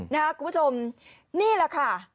คุณผู้ชมนี่แหละค่ะ